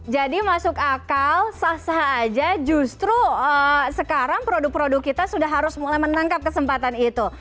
jadi masuk akal sah sah aja justru sekarang produk produk kita sudah harus mulai menangkap kesempatan itu